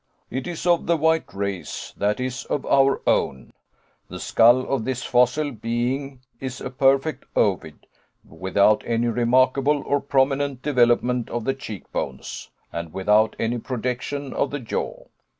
It is of the white race, that is, of our own. The skull of this fossil being is a perfect ovoid without any remarkable or prominent development of the cheekbones, and without any projection of the jaw.